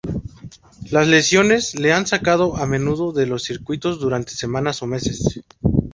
Las lesiones le han sacado a menudo de los circuitos durante semanas o meses.